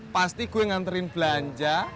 pasti gue nganterin belanja